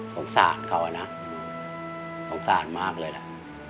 สงสัยเขานะสงสัยมากเลยล่ะ